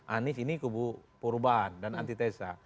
anies ini kubu perubahan dan antitesa